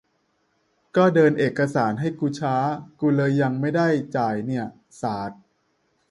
ก็เดินเอกสารให้กุช้า กุเลยยังไม่ได้จ่ายเนี่ย สาด